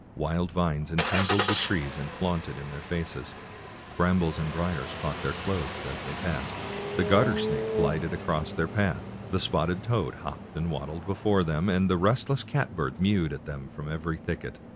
Wild vines entangled the trees and flaunted in their faces ; brambles and briers caught their clothes as they passed; the garter snake glided across their path; the spotted toad hopped and waddled before them; and the restless catbird mewed at them from every thicket.